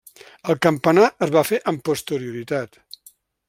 El campanar es va fer amb posterioritat.